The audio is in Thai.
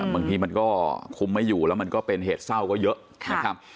บางทีมันก็คุมไม่อยู่แล้วมันก็เป็นเหตุเศร้าก็เยอะนะครับ